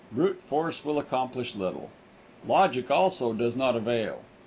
Brute force will accomplish little. Logic also does not avail.